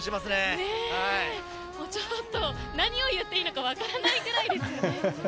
ちょっと何を言っていいのか分からないぐらいですよね。